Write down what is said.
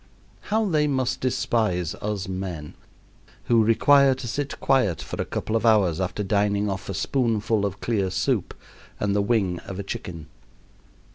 How they must despise us men, who require to sit quiet for a couple of hours after dining off a spoonful of clear soup and the wing of a chicken!